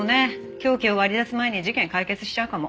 凶器を割り出す前に事件解決しちゃうかも。